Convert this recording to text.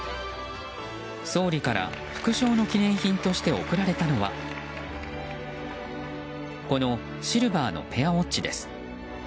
総理から複勝の記念品として贈られたのはこのシルバーのペアウォッチです。